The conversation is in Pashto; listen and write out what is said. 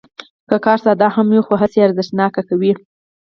که کار ساده هم وي، خو هڅې یې ارزښتناکوي.